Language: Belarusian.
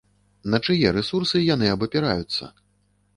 На чые рэсурсы яны абапіраюцца?